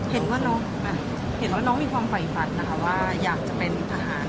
เห็นว่าน้องมีความใฝ่ฝันนะคะว่าอยากจะเป็นทหาร